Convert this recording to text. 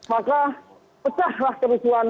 maka pecahlah kerusuhan